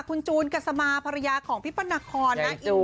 คุณจูนกระสมาร์ภรรยาของพี่ปนคร